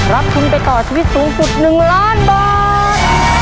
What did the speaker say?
รับทุนไปต่อชีวิตสูงสุด๑ล้านบาท